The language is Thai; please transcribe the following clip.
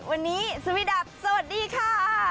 วันนี้สวัสดีค่ะ